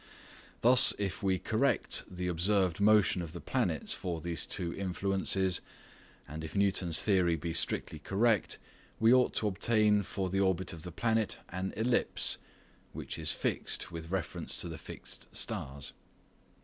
Thus, if we correct the observed motion of the planets for these two influences, and if Newton's theory be strictly correct, we ought to obtain for the orbit of the planet an ellipse, which is fixed with reference to the fixed stars.